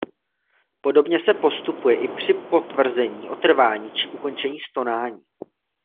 Podobně se postupuje i při potvrzení o trvání či ukončení stonání.